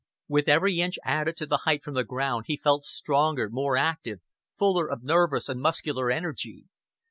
With every inch added to the height from the ground, he felt stronger, more active, fuller of nervous and muscular energy.